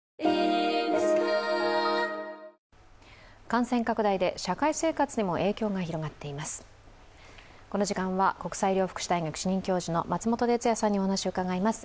感染拡大で社会生活にも影響が広がっています。